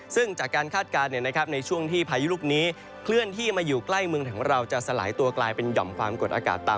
ซึ่งจากการคาดการณ์ในช่วงที่พายุลูกนี้เคลื่อนที่มาอยู่ใกล้เมืองของเราจะสลายตัวกลายเป็นหย่อมความกดอากาศต่ำ